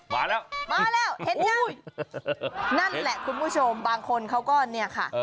มาแล้วมาแล้วเห็นยังนั่นแหละคุณผู้ชมบางคนเขาก็เนี่ยค่ะ